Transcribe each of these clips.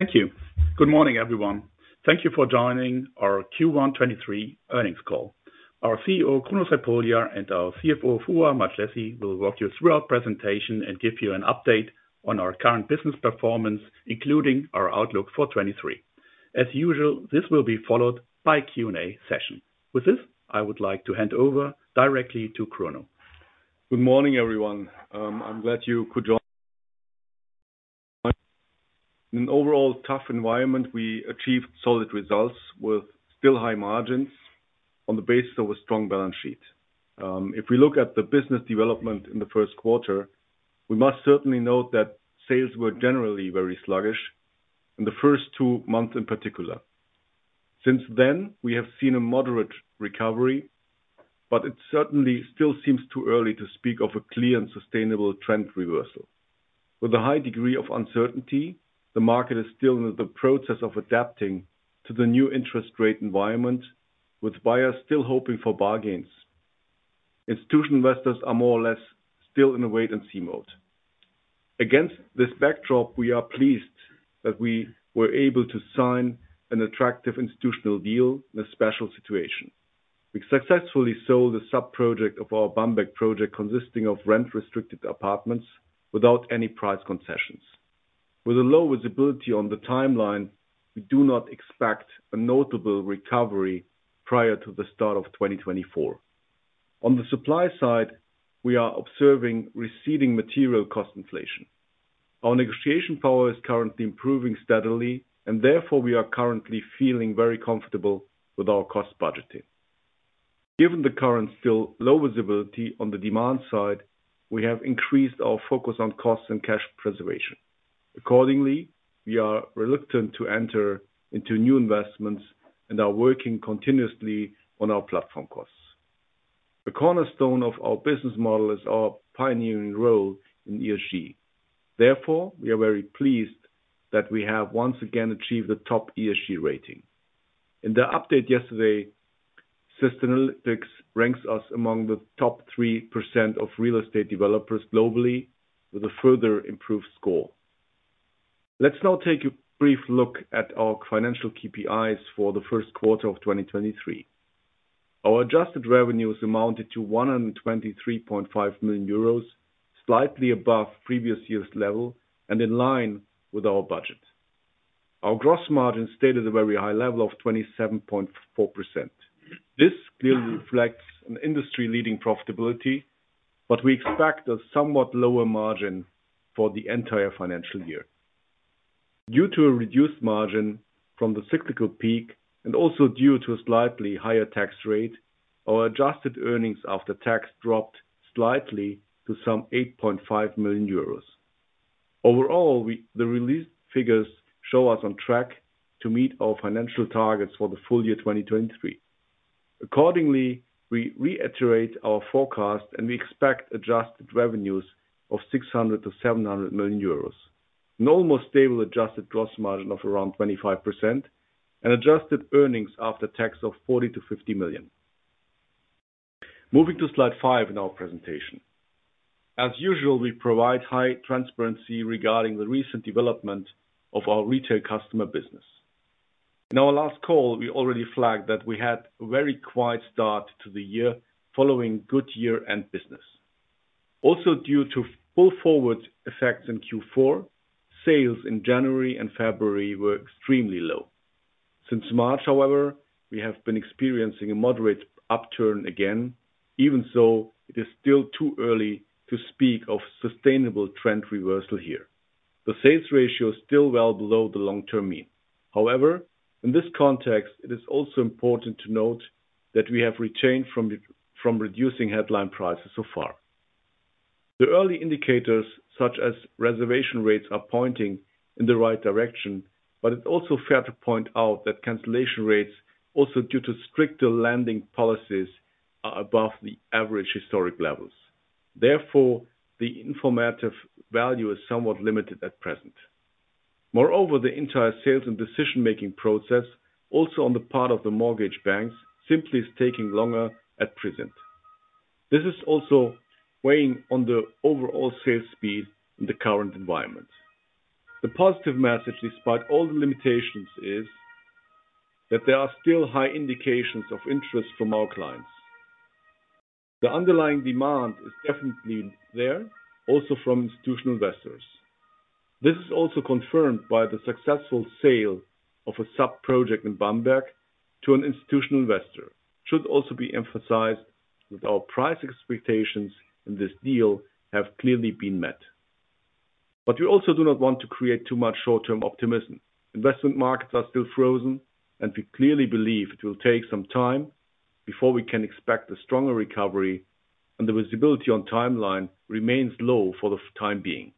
Thank you. Good morning, everyone. Thank you for joining our Q1 2023 earnings call. Our CEO, Kruno Crepulja, and our CFO, Foruhar Madjlessi, will walk you through our presentation and give you an update on our current business performance, including our outlook for 2023. As usual, this will be followed by Q&A session. With this, I would like to hand over directly to Kruno. Good morning, everyone. I'm glad you could join. In an overall tough environment, we achieved solid results with still high margins on the basis of a strong balance sheet. If we look at the business development in the first quarter, we must certainly note that sales were generally very sluggish in the first two months in particular. Since then, we have seen a moderate recovery, but it certainly still seems too early to speak of a clear and sustainable trend reversal. With a high degree of uncertainty, the market is still in the process of adapting to the new interest rate environment, with buyers still hoping for bargains. Institutional investors are more or less still in a wait and see mode. Against this backdrop, we are pleased that we were able to sign an attractive institutional deal in a special situation. We successfully sold a sub-project of our Bamberg project consisting of rent-restricted apartments without any price concessions. With a low visibility on the timeline, we do not expect a notable recovery prior to the start of 2024. On the supply side, we are observing receding material cost inflation. Our negotiation power is currently improving steadily and therefore we are currently feeling very comfortable with our cost budgeting. Given the current still low visibility on the demand side, we have increased our focus on costs and cash preservation. Accordingly, we are reluctant to enter into new investments and are working continuously on our platform costs. The cornerstone of our business model is our pioneering role in ESG. We are very pleased that we have once again achieved the top ESG rating. In the update yesterday, Sustainalytics ranks us among the top 3% of real estate developers globally with a further improved score. Let's now take a brief look at our financial KPIs for the first quarter of 2023. Our adjusted revenues amounted to 123.5 million euros, slightly above previous year's level and in line with our budget. Our gross margin stayed at a very high level of 27.4%. This clearly reflects an industry-leading profitability, but we expect a somewhat lower margin for the entire financial year. Due to a reduced margin from the cyclical peak and also due to a slightly higher tax rate, our adjusted earnings after tax dropped slightly to some 8.5 million euros. Overall, the released figures show us on track to meet our financial targets for the full year 2023. Accordingly, we reiterate our forecast and we expect adjusted revenues of 600 million-700 million euros. An almost stable adjusted gross margin of around 25% and adjusted earnings after tax of 40 million-50 million. Moving to Slide five in our presentation. As usual, we provide high transparency regarding the recent development of our retail customer business. In our last call, we already flagged that we had a very quiet start to the year following good year-end business. Also, due to full forward effects in Q4, sales in January and February were extremely low. Since March, however, we have been experiencing a moderate upturn again, even so it is still too early to speak of sustainable trend reversal here. The sales ratio is still well below the long-term mean. In this context, it is also important to note that we have retained from reducing headline prices so far. The early indicators, such as reservation rates, are pointing in the right direction, but it's also fair to point out that cancellation rates, also due to stricter lending policies, are above the average historic levels. The informative value is somewhat limited at present. The entire sales and decision-making process, also on the part of the mortgage banks, simply is taking longer at present. This is also weighing on the overall sales speed in the current environment. The positive message, despite all the limitations, is that there are still high indications of interest from our clients. The underlying demand is definitely there, also from institutional investors. This is also confirmed by the successful sale of a sub-project in Bamberg to an institutional investor. Should also be emphasized that our price expectations in this deal have clearly been met. We also do not want to create too much short-term optimism. Investment markets are still frozen, and we clearly believe it will take some time before we can expect a stronger recovery, and the visibility on timeline remains low for the time being.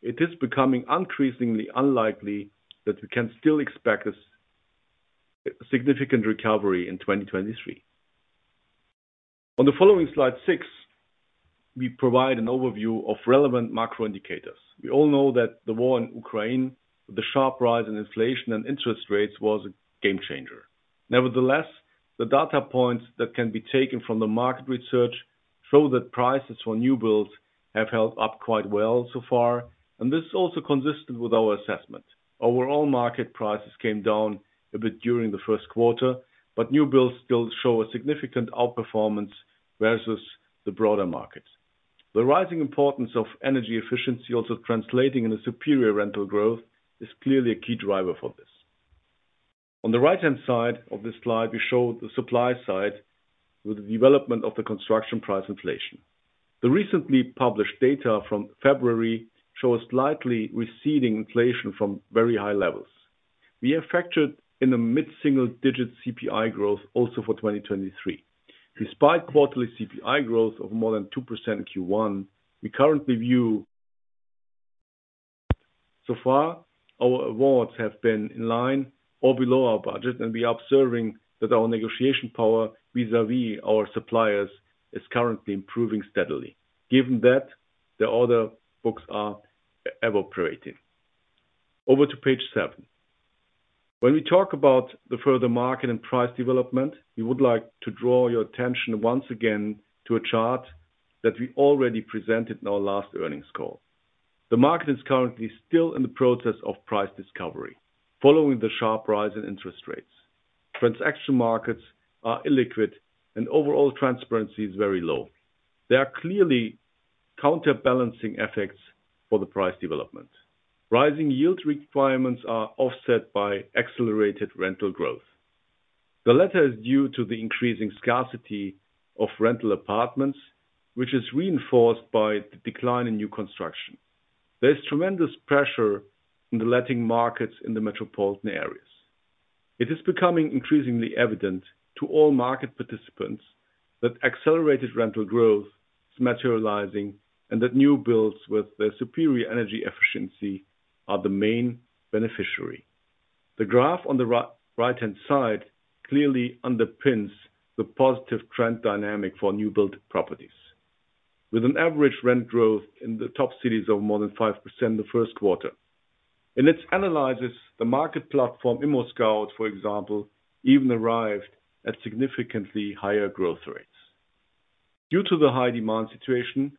It is becoming increasingly unlikely that we can still expect a significant recovery in 2023. On the following slide six, we provide an overview of relevant macro indicators. We all know that the war in Ukraine, the sharp rise in inflation and interest rates, was a game changer. Nevertheless, the data points that can be taken from the market research show that prices for new builds have held up quite well so far, and this is also consistent with our assessment. Overall market prices came down a bit during the first quarter, new builds still show a significant outperformance versus the broader market. The rising importance of energy efficiency also translating in a superior rental growth is clearly a key driver for this. On the right-hand side of this slide, we show the supply side with the development of the construction price inflation. The recently published data from February show a slightly receding inflation from very high levels. We have factored in a mid-single digit CPI growth also for 2023. Despite quarterly CPI growth of more than 2% in Q1, so far, our awards have been in line or below our budget, and we are observing that our negotiation power vis-a-vis our suppliers is currently improving steadily. Given that, the order books are evaporating. Over to page seven. When we talk about the further market and price development, we would like to draw your attention once again to a chart that we already presented in our last earnings call. The market is currently still in the process of price discovery following the sharp rise in interest rates. Transaction markets are illiquid and overall transparency is very low. There are clearly counterbalancing effects for the price development. Rising yield requirements are offset by accelerated rental growth. The latter is due to the increasing scarcity of rental apartments, which is reinforced by the decline in new construction. There is tremendous pressure in the letting markets in the metropolitan areas. It is becoming increasingly evident to all market participants that accelerated rental growth is materializing and that new builds with their superior energy efficiency are the main beneficiary. The graph on the right-hand side clearly underpins the positive trend dynamic for new build properties. With an average rent growth in the top cities of more than 5% in the first quarter. In its analysis, the market platform, ImmoScout24, for example, even arrived at significantly higher growth rates. Due to the high demand situation,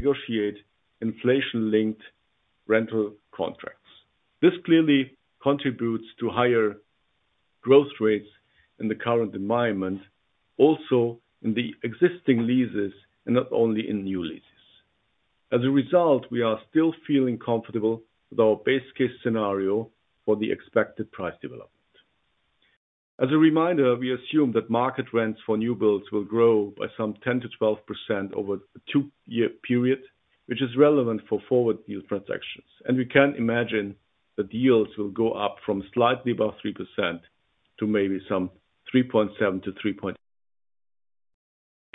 negotiate inflation-linked rental contracts. This clearly contributes to higher growth rates in the current environment, also in the existing leases and not only in new leases. As a result, we are still feeling comfortable with our base case scenario for the expected price development. As a reminder, we assume that market rents for new builds will grow by some 10%-12% over a two-year period, which is relevant for forward yield transactions. We can imagine that yields will go up from slightly above 3% to maybe some 3.7% to 3.8%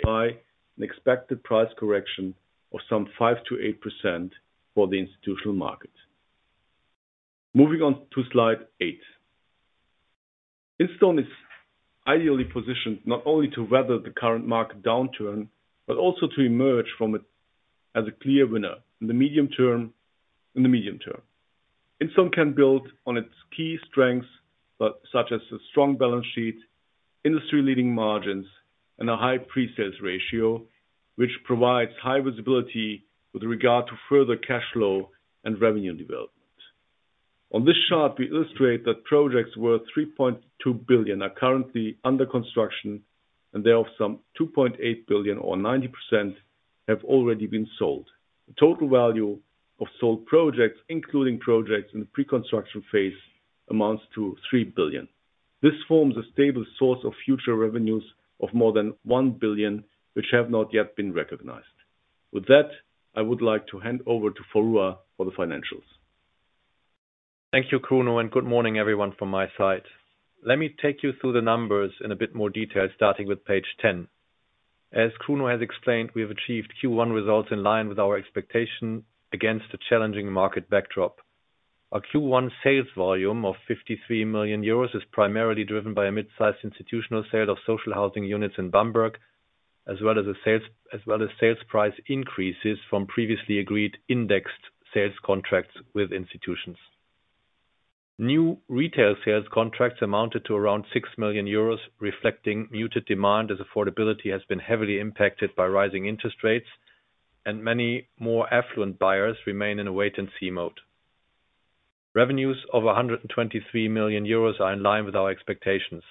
an expected price correction of some 5%-8% for the institutional market. Moving on to slide eight. Instone is ideally positioned not only to weather the current market downturn, but also to emerge from it as a clear winner in the medium term. Instone can build on its key strengths, but such as a strong balance sheet, industry-leading margins, and a high pre-sales ratio, which provides high visibility with regard to further cash flow and revenue development. On this chart, we illustrate that projects worth 3.2 billion are currently under construction, thereof some 2.8 billion or 90% have already been sold. The total value of sold projects, including projects in the pre-construction phase, amounts to 3 billion. This forms a stable source of future revenues of more than 1 billion, which have not yet been recognized. With that, I would like to hand over to Foruhar for the financials. Thank you, Kruno, good morning, everyone, from my side. Let me take you through the numbers in a bit more detail, starting with page 10. As Kruno has explained, we have achieved Q1 results in line with our expectation against a challenging market backdrop. Our Q1 sales volume of 53 million euros is primarily driven by a mid-sized institutional sale of social housing units in Bamberg, as well as sales price increases from previously agreed indexed sales contracts with institutions. New retail sales contracts amounted to around 6 million euros, reflecting muted demand as affordability has been heavily impacted by rising interest rates, and many more affluent buyers remain in a wait and see mode. Revenues of 123 million euros are in line with our expectations.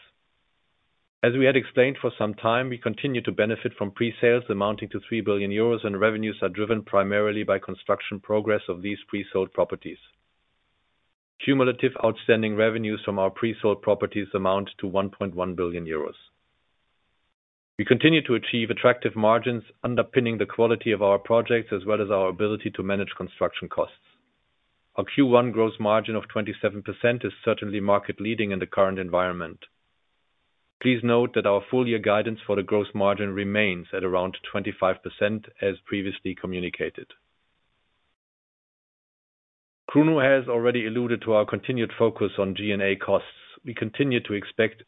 As we had explained for some time, we continue to benefit from pre-sales amounting to 3 billion euros, and revenues are driven primarily by construction progress of these pre-sold properties. Cumulative outstanding revenues from our pre-sold properties amount to 1.1 billion euros. We continue to achieve attractive margins underpinning the quality of our projects as well as our ability to manage construction costs. Our Q1 gross margin of 27% is certainly market leading in the current environment. Please note that our full year guidance for the gross margin remains at around 25% as previously communicated. Kruno has already alluded to our continued focus on G&A costs. We continue to expect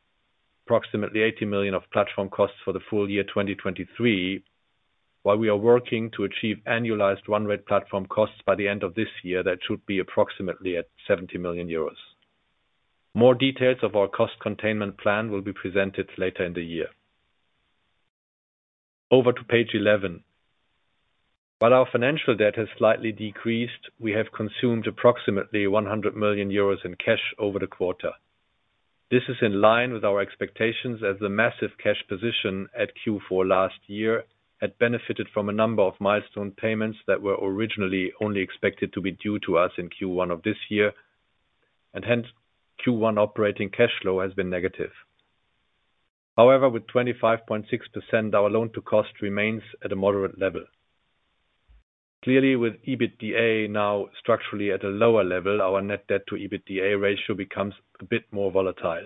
approximately 80 million of platform costs for the full year 2023, while we are working to achieve annualized run rate platform costs by the end of this year, that should be approximately at 70 million euros. More details of our cost containment plan will be presented later in the year. Over to page 11. While our financial debt has slightly decreased, we have consumed approximately 100 million euros in cash over the quarter. This is in line with our expectations as the massive cash position at Q4 last year had benefited from a number of milestone payments that were originally only expected to be due to us in Q1 of this year, and hence Q1 operating cash flow has been negative. However, with 25.6%, our Loan-to-Cost remains at a moderate level. Clearly, with EBITDA now structurally at a lower level, our Net Debt to EBITDA ratio becomes a bit more volatile.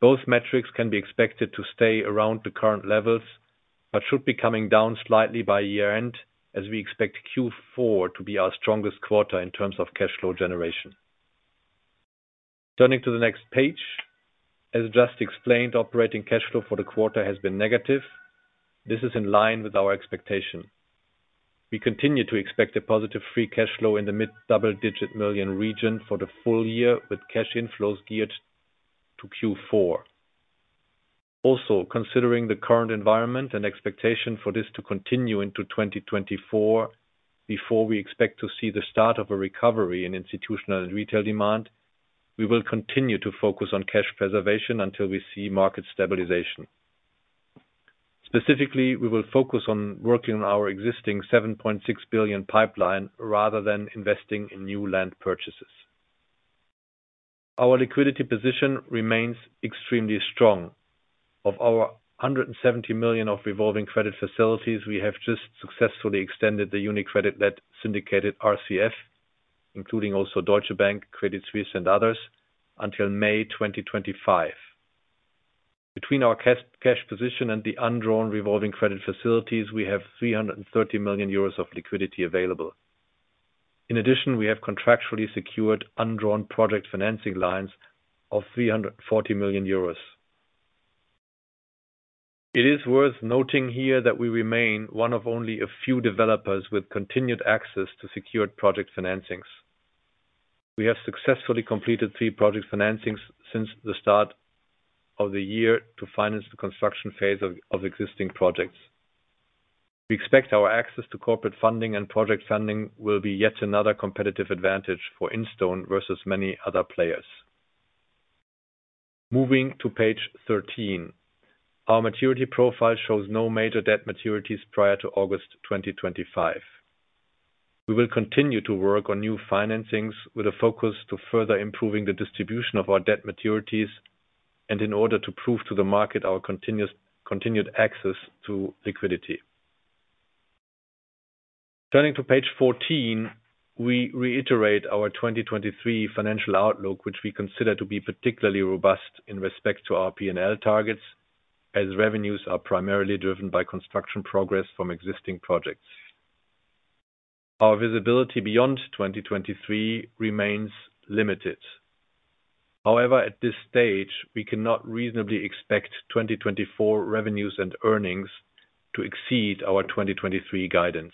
Those metrics can be expected to stay around the current levels, but should be coming down slightly by year-end as we expect Q4 to be our strongest quarter in terms of cash flow generation. Turning to the next page. As just explained, operating cash flow for the quarter has been negative. This is in line with our expectation. We continue to expect a positive free cash flow in the mid-double digit million region for the full year, with cash inflows geared to Q4. Also, considering the current environment and expectation for this to continue into 2024 before we expect to see the start of a recovery in institutional and retail demand, we will continue to focus on cash preservation until we see market stabilization. Specifically, we will focus on working on our existing 7.6 billion pipeline rather than investing in new land purchases. Our liquidity position remains extremely strong. Of our 170 million of revolving credit facilities, we have just successfully extended the UniCredit that syndicated RCF, including also Deutsche Bank, Credit Suisse and others until May 2025. Between our cash position and the undrawn revolving credit facilities, we have 330 million euros of liquidity available. In addition, we have contractually secured undrawn project financing lines of 340 million euros. It is worth noting here that we remain one of only a few developers with continued access to secured project financings. We have successfully completed three project financings since the start of the year to finance the construction phase of existing projects. We expect our access to corporate funding and project funding will be yet another competitive advantage for Instone versus many other players. Moving to page 13. Our maturity profile shows no major debt maturities prior to August 2025. We will continue to work on new financings with a focus to further improving the distribution of our debt maturities and in order to prove to the market our continued access to liquidity. Turning to page 14. We reiterate our 2023 financial outlook, which we consider to be particularly robust in respect to our P&L targets, as revenues are primarily driven by construction progress from existing projects. Our visibility beyond 2023 remains limited. However, at this stage, we cannot reasonably expect 2024 revenues and earnings to exceed our 2023 guidance.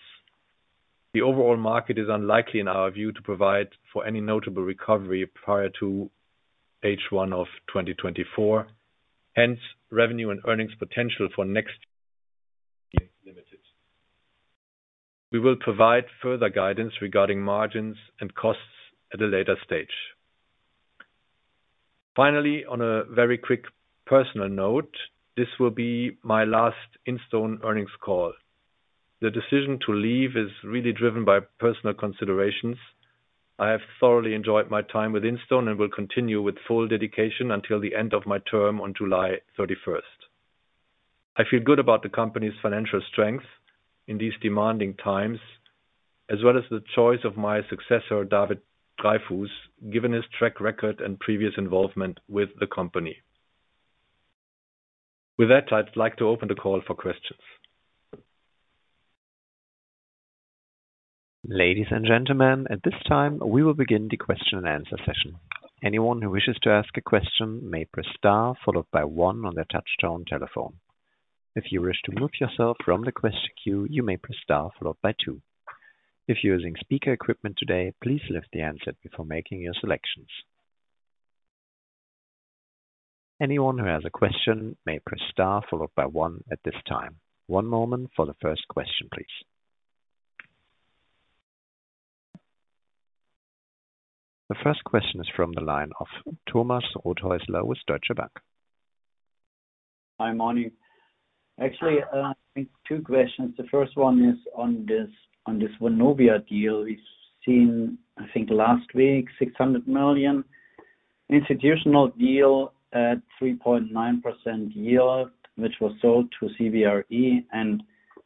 The overall market is unlikely, in our view, to provide for any notable recovery prior to H1 of 2024. Hence, revenue and earnings potential for next year limited. We will provide further guidance regarding margins and costs at a later stage. On a very quick personal note, this will be my last Instone earnings call. The decision to leave is really driven by personal considerations. I have thoroughly enjoyed my time with Instone and will continue with full dedication until the end of my term on July 31st. I feel good about the company's financial strength in these demanding times, as well as the choice of my successor, David Dreyfus, given his track record and previous involvement with the company. With that, I'd like to open the call for questions. Ladies and gentlemen, at this time we will begin the question and answer session. Anyone who wishes to ask a question may press star followed by one on their touchtone telephone. If you wish to remove yourself from the question queue, you may press star followed by two. If you're using speaker equipment today, please lift the handset before making your selections. Anyone who has a question may press star followed by one at this time. One moment for the first question, please. The first question is from the line of Thomas Rothäusler with Deutsche Bank. Hi. Morning. Actually, two questions. The first one is on this Vonovia deal we've seen, I think last week, 600 million institutional deal at 3.9% yield, which was sold to CBRE.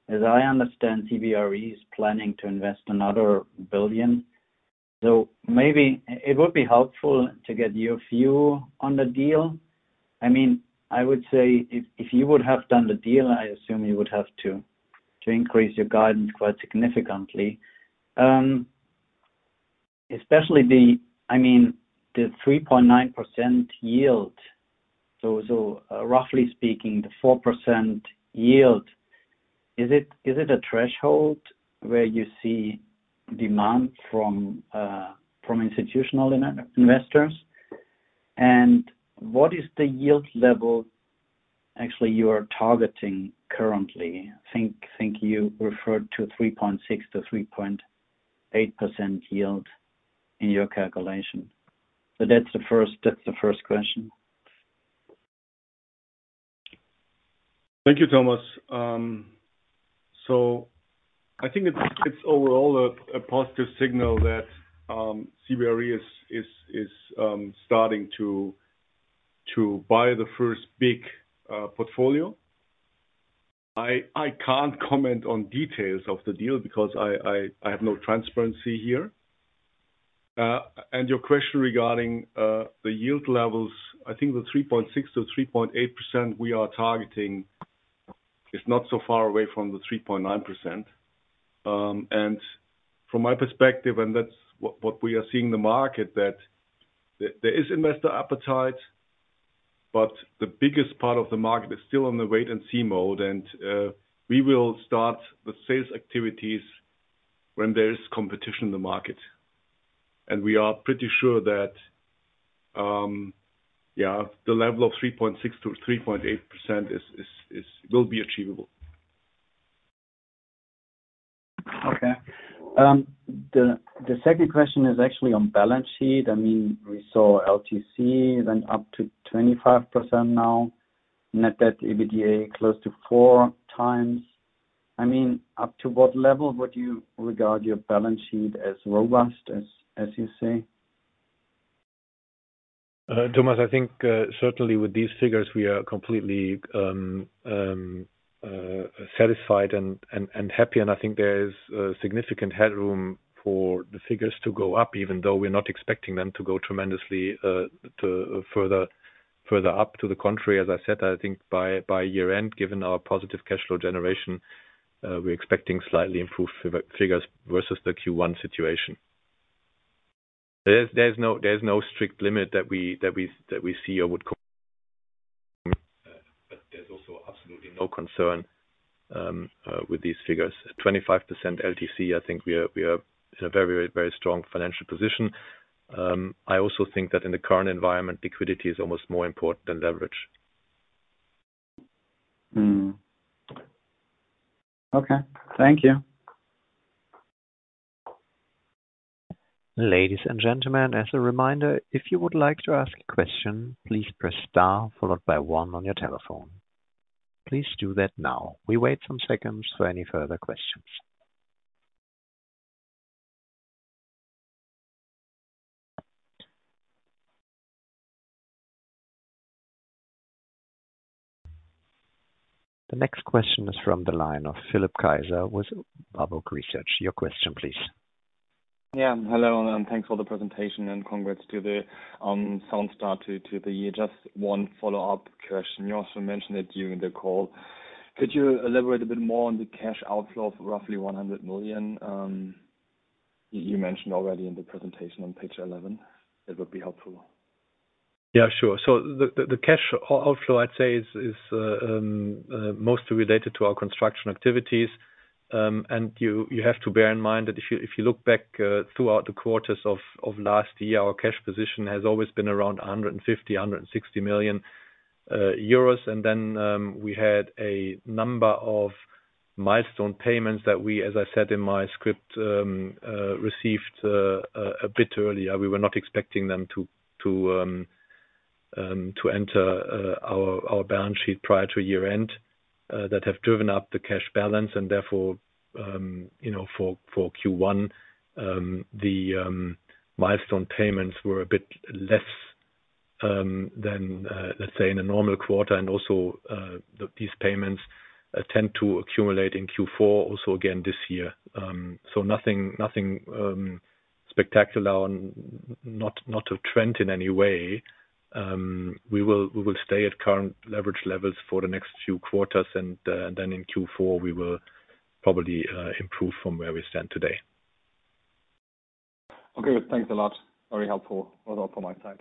As I understand, CBRE is planning to invest another 1 billion. Maybe it would be helpful to get your view on the deal. I mean, I would say if you would have done the deal, I assume you would have to increase your guidance quite significantly. Especially the 3.9% yield. Roughly speaking, the 4% yield? Is it a threshold where you see demand from institutional investors? What is the yield level actually you are targeting currently? I think you referred to 3.6%-3.8% yield in your calculation. That's the first question. Thank you, Thomas. I think it's overall a positive signal that CBRE is starting to buy the first big portfolio. I can't comment on details of the deal because I have no transparency here. Your question regarding the yield levels. I think the 3.6%-3.8% we are targeting is not so far away from the 3.9%. From my perspective, and that's what we are seeing in the market, that there is investor appetite, but the biggest part of the market is still on the wait and see mode. We will start the sales activities when there is competition in the market. We are pretty sure that the level of 3.6%-3.8% will be achievable. The second question is actually on balance sheet. I mean, we saw LTC then up to 25% now, Net Debt EBITDA close to four times. I mean, up to what level would you regard your balance sheet as robust as you say? Thomas, I think, certainly with these figures we are completely satisfied and happy. I think there is significant headroom for the figures to go up, even though we're not expecting them to go tremendously further up to the contrary. As I said, I think by year end, given our positive cash flow generation, we're expecting slightly improved figures versus the Q1 situation. There's no strict limit that we see or would There's also absolutely no concern with these figures. At 25% LTC, I think we are in a very, very strong financial position. I also think that in the current environment, liquidity is almost more important than leverage. Mm. Okay. Thank you. Ladies and gentlemen, as a reminder, if you would like to ask a question, please press star followed by one on your telephone. Please do that now. We wait some seconds for any further questions. The next question is from the line of Philipp Kaiser with Warburg Research. Your question please. Yeah. Hello, and thanks for the presentation and congrats to the sound start to the year. Just one follow-up question. You also mentioned it during the call. Could you elaborate a bit more on the cash outflow of roughly 100 million you mentioned already in the presentation on page 11? That would be helpful. Yeah, sure. The cash outflow I'd say is mostly related to our construction activities. You have to bear in mind that if you look back throughout the quarters of last year, our cash position has always been around 150 million-160 million euros. We had a number of milestone payments that we, as I said in my script, received a bit earlier. We were not expecting them to enter our balance sheet prior to year-end that have driven up the cash balance and therefore, you know, for Q1, the milestone payments were a bit less than let's say in a normal quarter. These payments tend to accumulate in Q4 also again this year. Nothing spectacular and not a trend in any way. We will stay at current leverage levels for the next few quarters and in Q4 we will probably improve from where we stand today. Okay. Thanks a lot. Very helpful. Although for my side.